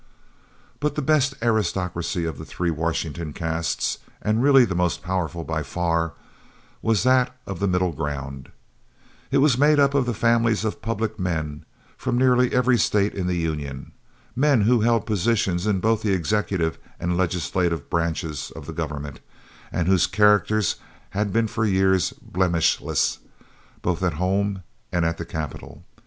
But the best aristocracy of the three Washington castes, and really the most powerful, by far, was that of the Middle Ground: It was made up of the families of public men from nearly every state in the Union men who held positions in both the executive and legislative branches of the government, and whose characters had been for years blemishless, both at home and at the capital.